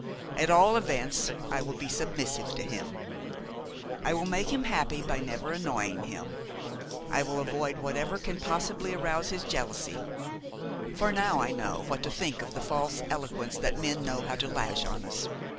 At all events I will be submissive to him, I will make him happy by never annoying him, I will avoid whatever can possibly arouse his jealousy; for now I know what to think of the false eloquence that men know how to lavish on us.